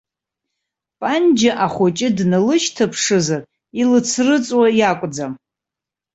Панџьа ахәыҷы дналышьҭаԥшызар, илыцрыҵуа иакәӡам.